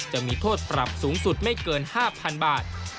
จะมีโทษปรับสูงสุดไม่เกิน๕๐๐๐บาท